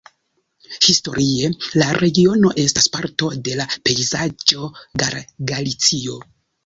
Historie la regiono estas parto de la pejzaĝo Galicio.